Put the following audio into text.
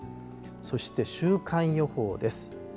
そして週間予報です。